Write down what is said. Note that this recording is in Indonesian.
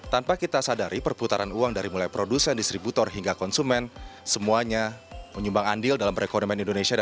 tanpa kita sadari perputaran uang dari mulai produsen distributor hingga konsumen semuanya menyumbang andil dalam perekonomian indonesia